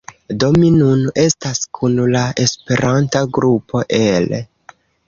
Do mi nun estas kun la Esperanta grupo el